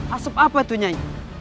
asap apa itu nyai